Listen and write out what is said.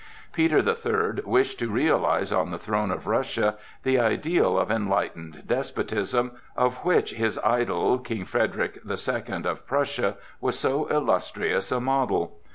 Peter the Third wished to realize on the throne of Russia the ideal of enlightened despotism, of which his idol, King Frederick the Second of Prussia, was so illustrious a model.